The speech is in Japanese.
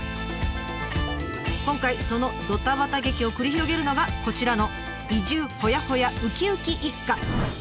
今回そのドタバタ劇を繰り広げるのがこちらの移住ほやほやウキウキ一家。